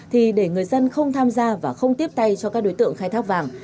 thì để người dân không tham gia và không tiếp tay cho các đối tượng khai thác vàng